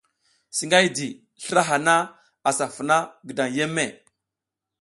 Singihay, slra hana asa funa gidan yeme.